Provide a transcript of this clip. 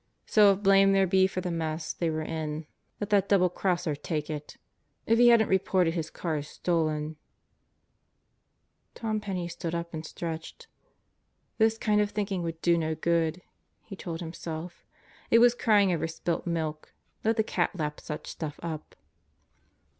So if blame there be for the mess they were in, let that double crosser take it! If he hadn't reported his car as stolen ... Tom Penney stood up and stretched. This kind of thinking would do no good, he told himself. It was crying over spilt milk. Let the cat lap such stuff up.